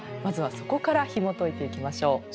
まずはそこからひもといていきましょう。